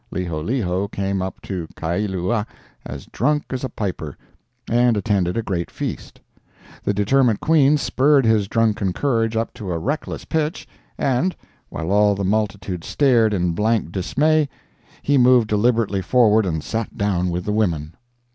Liholiho came up to Kailua as drunk as a piper, and attended a great feast; the determined Queen spurred his drunken courage up to a reckless pitch, and then, while all the multitude stared in blank dismay, he moved deliberately forward and sat down with the women!